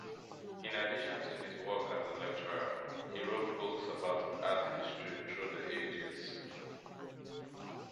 In addition to his work as a lecturer, he wrote books about art history through the ages.